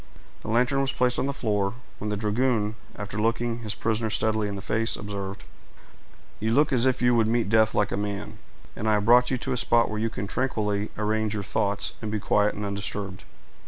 The lantern was placed on the floor, when the dragoon, after looking his prisoner steadily in the face, observed,— "You look as if you would meet death like a man; and I have brought you to a spot where you can tranquilly arrange your thoughts, and be quiet and undisturbed."